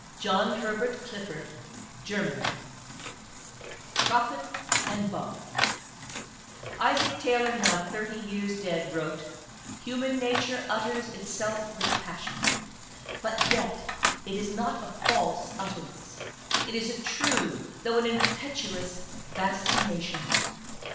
JOHN HERBERT CLIFFORD: Germantown. PROPHET AND BARD. Isaac Taylor, now thirty years dead, wrote: "Human nature utters itself with passion ; but yet it is not a false utterance ; it is a true though an impetuous vaticination."